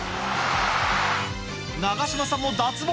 長嶋さんも脱帽。